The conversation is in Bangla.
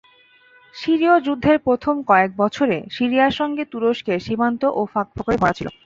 সিরীয় যুদ্ধের প্রথম কয়েক বছরে সিরিয়ার সঙ্গে তুরস্কের সীমান্তও ফাঁক-ফোকরে ভরা ছিল।